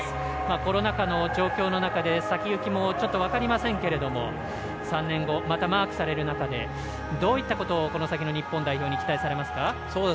コロナ禍の状況の中で先行きも分かりませんけれども３年後、またマークされる中でどういったことをこの先の日本代表に期待されますか？